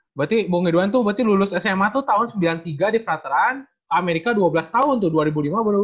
berarti bung edwan tuh berarti lulus sma tuh tahun sembilan puluh tiga di peraturan amerika dua belas tahun tuh dua ribu lima belas